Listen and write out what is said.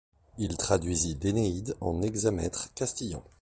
Il traduisit l'Énéide en hexamètres castillans.